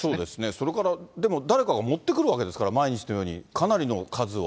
それからでも誰かが持ってくるわけですから、毎日のように、かなりの数を。